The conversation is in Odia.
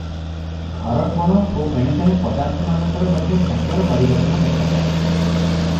ଘରକୋଣ ଓ ଏଣେତେଣେ ପଦାର୍ଥମାନଙ୍କର ମଧ୍ୟ ଭାଗ୍ୟର ପରିବର୍ତ୍ତନ ଦେଖାଯାଏ ।